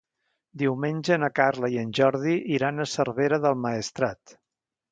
Diumenge na Carla i en Jordi iran a Cervera del Maestrat.